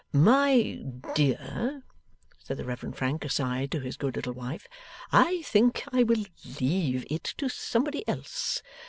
'My dear,' said the Reverend Frank aside to his good little wife, 'I think I will leave it to somebody else.